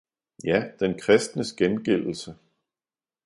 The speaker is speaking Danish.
Ja, den kristnes gengældelse!